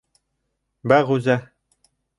— Бәғүзә...